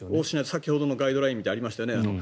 先ほどのガイドラインってありましたよね。